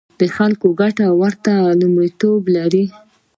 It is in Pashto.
د خلکو ګټې ورته لومړیتوب لري.